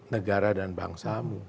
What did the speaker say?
negara dan bangsamu